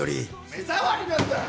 目障りなんだよ！